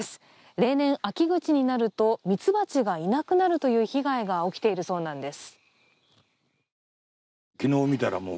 例年、秋口になるとミツバチがいなくなるという被害が起きているそうなんです。